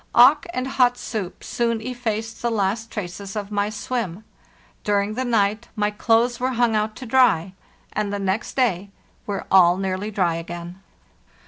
Auk and hot soup soon effaced the last traces of my swim. During the night my clothes were hung out to dry, and the next day were all nearly dry again.